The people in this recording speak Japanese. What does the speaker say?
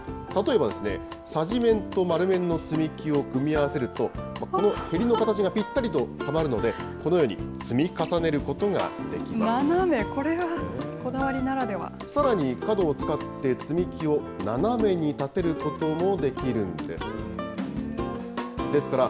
例えばさじ面と丸面の積み木を組み合わせると、このへりの形がぴったりとはまるので、このように積み重ねること斜め、これはこだわりならでさらに角を使って、積み木を斜めに立てることもできるんです。